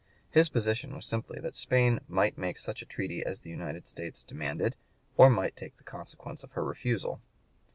His position was simply that Spain might make such a treaty as the United States demanded, or might take (p. 124) the consequences of her refusal.